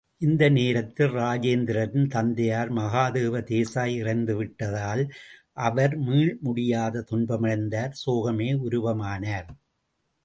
இந்த நேரத்தில் இராஜேந்திரரின் தந்தையார் மகாதேவ தேசாய் இறந்து விட்டதால், அவர் மீள்முடியாத துன்பமடைந்தார் சோகமே உருவமானார்.